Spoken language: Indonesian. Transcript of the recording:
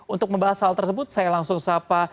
untuk membahas hal tersebut saya langsung sapa